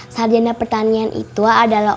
sarjana pertanian itu adalah